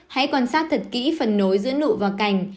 hãy quan sát thật kỹ phần nối giữa nụ và cành